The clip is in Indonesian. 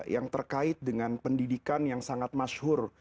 yang terkait dengan pendidikan yang sangat masyur